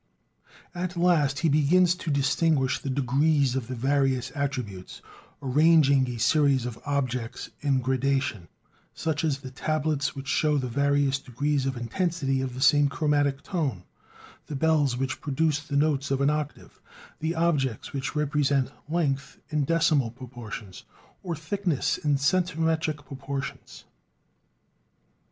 At last he begins to distinguish the degrees of the various attributes, arranging a series of objects in gradation, such as the tablets which show the various degrees of intensity of the same chromatic tone; the bells which produce the notes of an octave, the objects which represent length in decimal proportions, or thickness in centimetric proportions, etc.